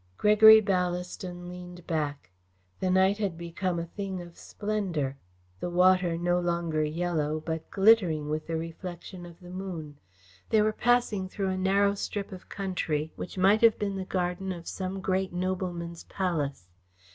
Gregory Ballaston leaned back. The night had become a thing of splendour, the water, no longer yellow, but glittering with the reflection of the moon. They were passing through a narrow strip of country which might have been the garden of some great nobleman's palace.